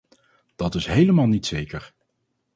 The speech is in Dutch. Dat is helemaal niet zeker.